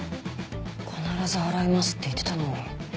「必ず払います」って言ってたのに。